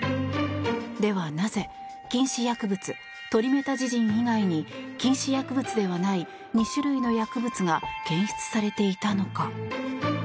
では、なぜ禁止薬物トリメタジジン以外に禁止薬物ではない２種類の薬物が検出されていたのか。